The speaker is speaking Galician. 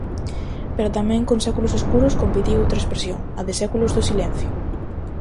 Pero tamén con Séculos escuros competiu outra expresión: a de Séculos do silencio.